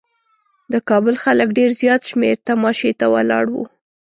د کابل خلک ډېر زیات شمېر تماشې ته ولاړ وو.